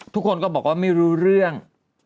ทุกคนก็บอกว่าไม่รู้เรื่อง